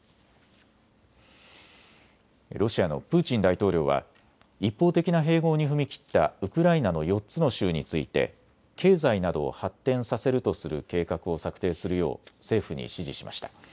ロシアのプーチン大統領は一方的な併合に踏み切ったウクライナの４つの州について経済などを発展させるとする計画を策定するよう政府に指示しました。